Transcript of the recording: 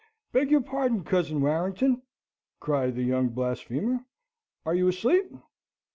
"Beg your pardon, Cousin Warrington," cried the young blasphemer, "are you asleep?